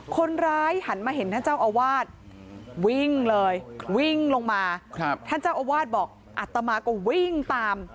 หันมาเห็นท่านเจ้าอาวาสวิ่งเลยวิ่งลงมาท่านเจ้าอาวาสบอกอัตมาก็วิ่งตาม